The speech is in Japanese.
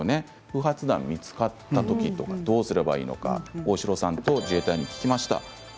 不発弾が見つかったときどうすればいいのか大城さんと自衛隊に聞きました。